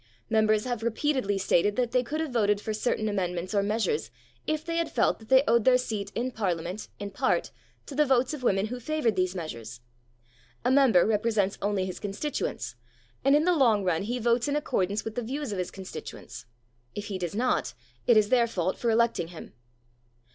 Members have repeatedly stated that they could have voted for certain amendments or measures if they had felt that they owed their seat in Parliament in part to the votes of women who favoured these measures. A member represents only his constituents, and in the long run he votes in accordance with the views of his constituents. If he does not, it is their fault for electing him.